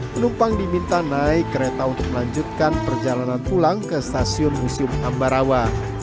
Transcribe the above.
penumpang diminta naik kereta untuk melanjutkan perjalanan pulang ke stasiun museum ambarawa